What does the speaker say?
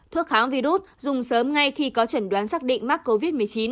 thuốc kháng virus dùng sớm ngay khi có trần đoán xác định mắc covid một mươi chín